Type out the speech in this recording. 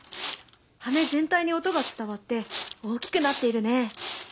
羽全体に音が伝わって大きくなっているね。